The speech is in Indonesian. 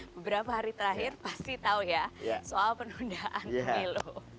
beberapa hari terakhir pasti tahu ya soal penundaan pemilu